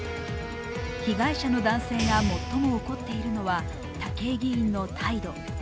被害者の男性が最も怒っているのは、その態度。